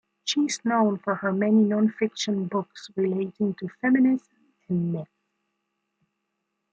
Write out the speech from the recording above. She is known for her many non-fiction books relating to feminism and myth.